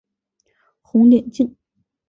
红点镜。